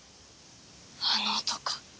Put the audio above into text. あの男。